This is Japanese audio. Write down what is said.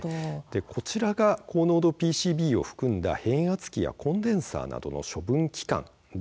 こちらが高濃度ＰＣＢを含んだ変圧器やコンデンサーなどの処分期間